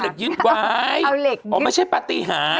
อ๋อเหล็กยึดไว้ไม่ใช่ปฏิหาร